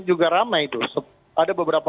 juga ramai itu ada beberapa